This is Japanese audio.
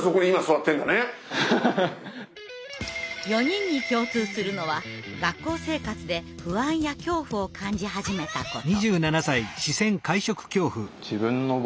４人に共通するのは学校生活で不安や恐怖を感じ始めたこと。